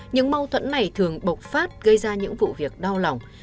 những mâu thuẫn này thường bộc phát gây ra những vụ việc đau lòng